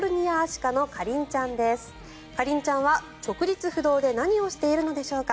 カリンちゃんは直立不動で何をしているのでしょうか。